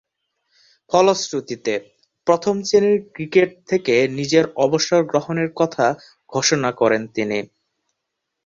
ফলশ্রুতিতে, প্রথম-শ্রেণীর ক্রিকেট থেকে নিজের অবসর গ্রহণের কথা ঘোষণা করেন তিনি।